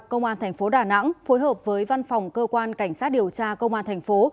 công an thành phố đà nẵng phối hợp với văn phòng cơ quan cảnh sát điều tra công an thành phố